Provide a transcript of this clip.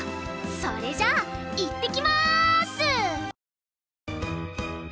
それじゃあいってきます！